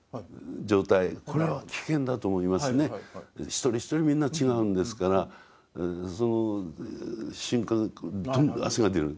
一人一人みんな違うんですからその瞬間とにかく汗が出る。